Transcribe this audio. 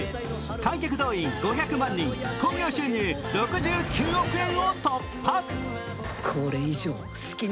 観客動員５００万人、興行収入６９億円を突破。